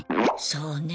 そうね。